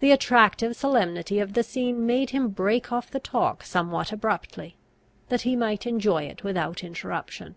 The attractive solemnity of the scene made him break off the talk somewhat abruptly, that he might enjoy it without interruption.